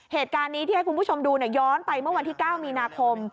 เหตุการณ์นี้ที่ให้คุณผู้ชมดูย้อนไปเมื่อวันที่๙มีนาคม